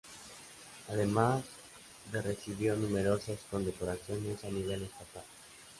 Además de recibió numerosas condecoraciones a nivel estatal.